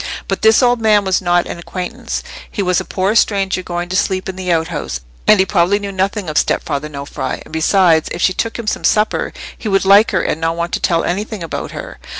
But this old man was not an acquaintance; he was a poor stranger going to sleep in the outhouse, and he probably knew nothing of stepfather Nofri; and, besides, if she took him some supper, he would like her, and not want to tell anything about her.